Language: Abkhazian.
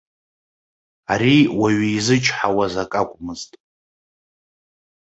Ари уаҩ изычҳауаз ак акәмызт.